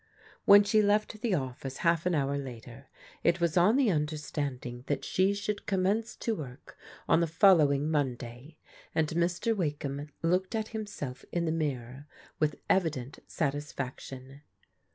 When she left the office half an hour later, it was on the understanding that she should conmience work on the following Monday, and Mr. Wakeham looked at himself in the mirror with evident satisfaction.